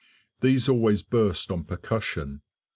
These always burst on percussion.